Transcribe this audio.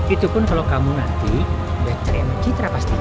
itu pun kalau kamu nanti udah cerai sama citra pastinya